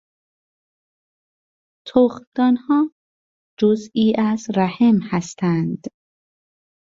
تخمدانها جزئی از رحم هستند.